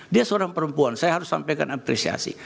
dia seorang perempuan saya harus sampaikan apresiasi